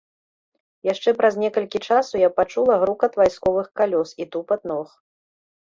Яшчэ праз некалькі часу я пачула грукат вайсковых калёс і тупат ног.